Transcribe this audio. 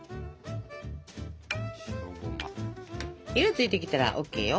色ついてきたらＯＫよ。